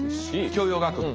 教養学部。